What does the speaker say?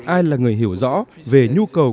ai là người hiểu rõ về nhu cầu